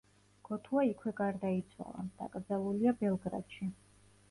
გოთუა იქვე გარდაიცვალა, დაკრძალულია ბელგრადში.